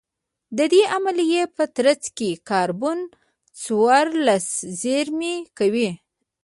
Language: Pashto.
د دې عملیې په ترڅ کې کاربن څوارلس زېرمه کوي